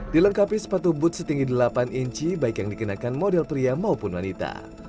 dilengkapi sepatu booth setinggi delapan inci baik yang dikenakan model pria maupun wanita